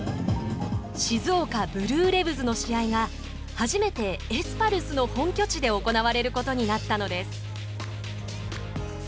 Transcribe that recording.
静岡ブルーレヴズの試合が初めてエスパルスの本拠地で行われることになったのです。